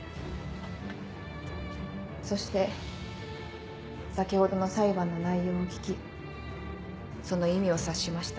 そして先ほどの裁判の内容を聞きその意味を察しました。